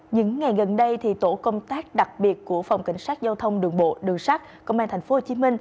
những ngày gần đây tổ công tác đặc biệt của phòng cảnh sát giao thông đường bộ đường sát công an tp hcm